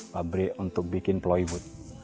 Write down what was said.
pabrik untuk bikin plywood